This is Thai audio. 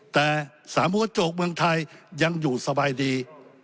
แต่สามหัวกระจกเมืองไทยยังอยู่สบายดี